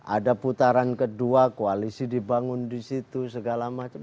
ada putaran kedua koalisi dibangun di situ segala macam